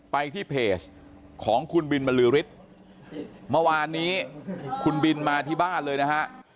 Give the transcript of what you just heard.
ไปที่เพจของคุณบินมลือริฐวันนี้คุณบินมาที่บ้านเลยนะฮะ